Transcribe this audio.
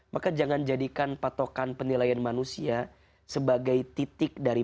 maka jangan jadikan patokan penilaian manusia sebagai titik daripada kebaikan kita sendiri ya